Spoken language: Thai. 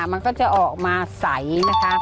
มันก็จะออกมาใสนะคะ